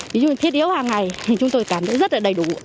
ví dụ như thiết yếu hàng ngày thì chúng tôi cảm thấy rất là đầy đủ